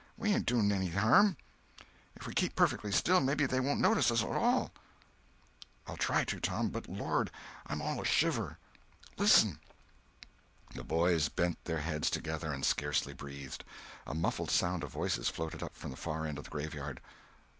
We ain't doing any harm. If we keep perfectly still, maybe they won't notice us at all." "I'll try to, Tom, but, Lord, I'm all of a shiver." "Listen!" The boys bent their heads together and scarcely breathed. A muffled sound of voices floated up from the far end of the graveyard.